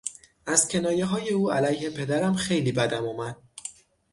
از کنایههای او علیه پدرم خیلی بدم آمد.